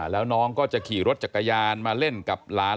แล้วน้องก็จะขี่รถจักรยานมาเล่นกับหลาน